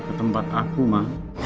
ketempat aku ma